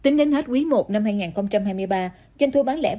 năm hai nghìn hai mươi một năm hai nghìn hai mươi ba doanh thu bán lẻ